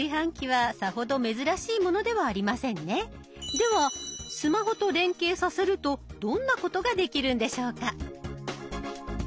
ではスマホと連携させるとどんなことができるんでしょうか。